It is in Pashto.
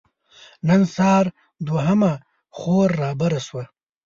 نن سهار دوهمه خور رابره شوه.